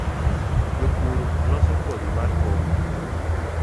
Jopur loso kodhi mar komo